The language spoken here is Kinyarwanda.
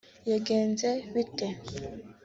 yagenze bite